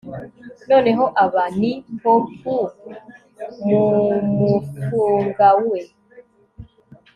noneho aba ni popup mumufunga we